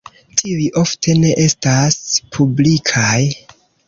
Tiuj ofte ne estas publikaj.